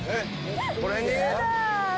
これに！？